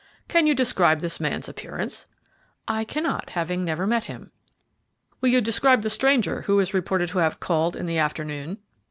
"Can you describe this man's appearance?" "I cannot, having never met him." "Will you describe the stranger who is reported to have called in the afternoon."